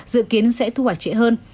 dự kiến sẽ thu hoạch triển